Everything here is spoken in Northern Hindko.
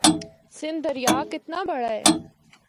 سندھ دریا کتنا بڑا ہے۔